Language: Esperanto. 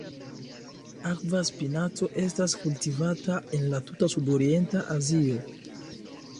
Akva spinaco estas kultivata en la tuta sudorienta Azio.